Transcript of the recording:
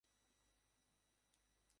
সেই দণ্ড আমি তোমার প্রতি প্রয়োগ করিলাম।